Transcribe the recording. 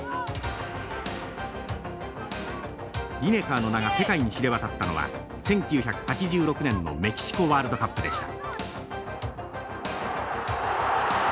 リネカーの名が世界に知れ渡ったのは１９８６年のメキシコワールドカップでした。